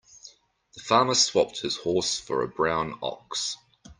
The farmer swapped his horse for a brown ox.